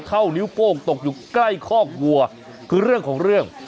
นิ้วโป้งตกอยู่ใกล้คอกวัวคือเรื่องของเรื่อง